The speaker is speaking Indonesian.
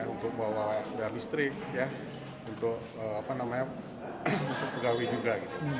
untuk bawa bawa biaya listrik untuk pegawai juga